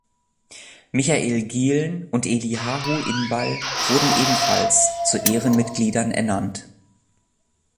Michael Gielen und Eliahu Inbal wurden ebenfalls zu Ehrenmitgliedern ernannt.